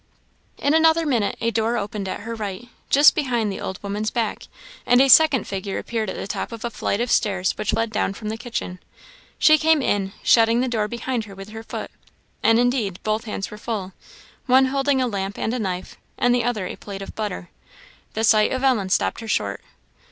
In another minute a door opened at her right, just behind the old woman's back, and a second figure appeared at the top of a flight of stairs which led down from the kitchen. She came in, shutting the door behind her with her foot; and indeed both hands were full, one holding a lamp and a knife, and the other a plate of butter. The sight of Ellen stopped her short.